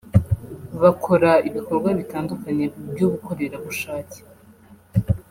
Bakora ibikorwa bitandukanye by’ubukorerabushake